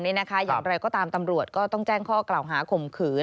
อย่างไรก็ตามตำรวจก็ต้องแจ้งข้อกล่าวหาข่มขืน